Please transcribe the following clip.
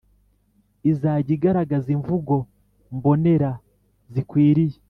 izajya igaragaza imvugo mbonera zikwiriye